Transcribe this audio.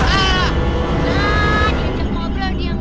aduh zara tunggu mami